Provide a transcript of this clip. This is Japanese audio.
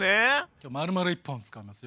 今日まるまる１本使いますよ！